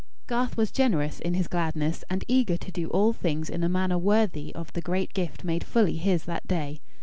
Garth was generous in his gladness, and eager to do all things in a manner worthy of the great gift made fully his that day.